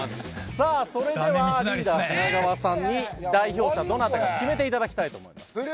さあそれではリーダー品川さんに代表者どなたか決めて頂きたいと思います。